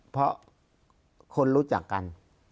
เพราะคนรู้จักกัน